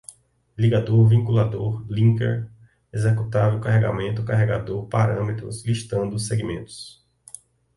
ligador, vinculador, linker, executável, carregamento, carregador, parâmetros, listando, segmentos